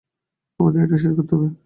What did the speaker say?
আমাদের এটা শেষ করতে হবে।